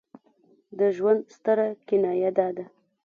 د ژوند ستره کنایه دا ده.